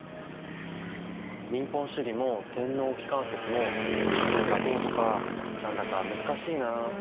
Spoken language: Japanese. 民本主義も天皇機関説も主権がどうとか何だか難しいなあ。